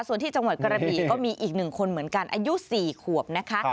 ส่วนที่จังหวัดกระบีก็มีอีก๑คนเหมือนกันอายุ๔ขวบนะคะ